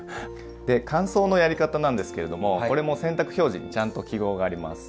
で乾燥のやり方なんですけれどもこれも洗濯表示にちゃんと記号があります。